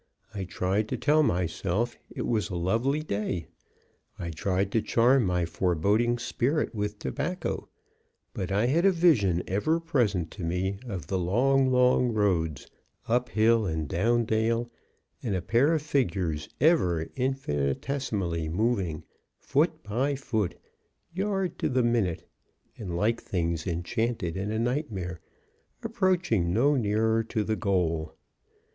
I tried to tell myself it was a lovely day; I tried to charm my foreboding spirit with tobacco; but I had a vision ever present to me of the long, long roads, up hill and down dale, and a pair of figures ever infinitesimally moving, foot by foot, a yard to the minute, and, like things enchanted in a nightmare, approaching no nearer to the goal.